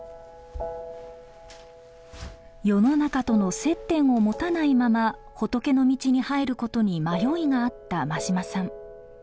世の中との接点を持たないまま仏の道に入ることに迷いがあった馬島さん。